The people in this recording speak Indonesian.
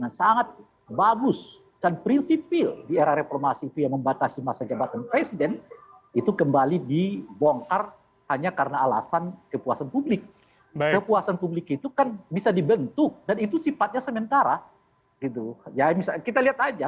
rasanya ini saluran dari istana